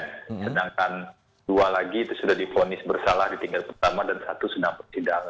sedangkan dua lagi itu sudah difonis bersalah di tingkat pertama dan satu sedang bersidang